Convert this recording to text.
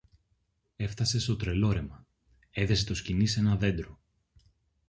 Έφθασε στο Τρελόρεμα, έδεσε το σκοινί σ' ένα δέντρο